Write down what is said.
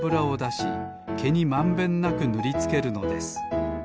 しけにまんべんなくぬりつけるのです。